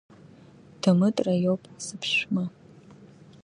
Дамытра иоуп сыԥшәма.